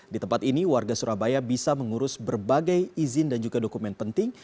di tempat ini warga surabaya bisa mengurus berbagai izin dan juga dokumen penting